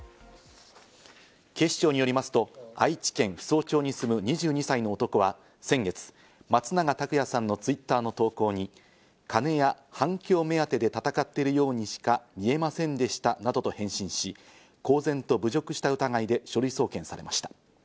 警視庁によりますと愛知県扶桑町に住む２２歳の男は先月、松永拓也さんのＴｗｉｔｔｅｒの投稿に金や反響目当てで闘っているようにしか見えませんでしたなどと返信し、公然と侮辱した疑いで書類送検されました。